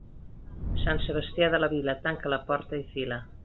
Sant Sebastià de la vila, tanca la porta i fila.